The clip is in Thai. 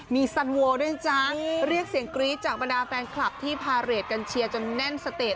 มีสันโวลด้วยนะจ๊ะเรียกเสียงกรี๊ดจากบรรดาแฟนคลับที่พาเรทกันเชียร์จนแน่นสเตจ